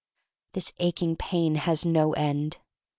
This aching pain has no end.